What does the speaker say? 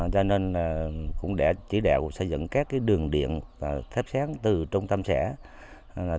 cho nên cũng đã chỉ đạo xây dựng các đường điện thép sáng từ trung tâm xã